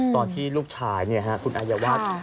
ตอนที่ลูกชายเนี่ยค่ะคุณอัยวัฒน์